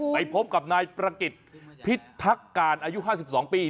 ไปพบกับนายประกิจพิทักการอายุ๕๒ปี